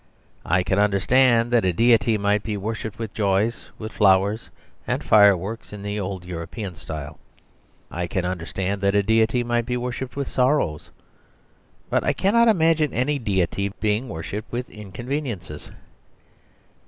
I can understand that a deity might be worshipped with joys, with flowers, and fireworks in the old European style. I can understand that a deity might be worshipped with sorrows. But I cannot imagine any deity being worshipped with inconveniences.